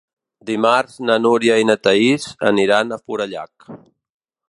Dimarts na Núria i na Thaís aniran a Forallac.